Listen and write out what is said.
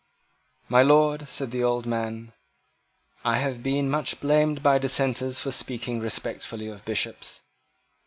"My Lord," said the old man, "I have been much blamed by Dissenters for speaking respectfully of Bishops."